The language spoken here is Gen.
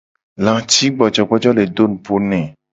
Lacigbojogbojo le do nupo ne.